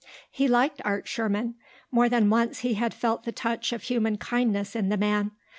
He liked Art Sherman. More than once he had felt the touch of human kindness in the man.